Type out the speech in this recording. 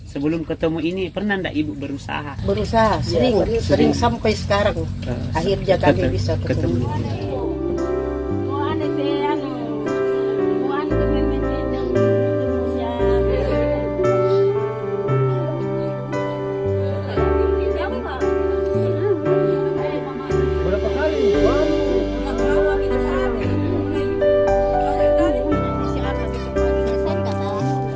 sebelum ketemu ini pernah ndak ibu berusaha